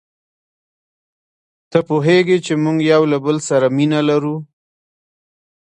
ته پوهیږې چي موږ یو له بل سره مینه لرو.